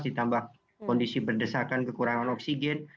ditambah kondisi berdesakan kekurangan oksigen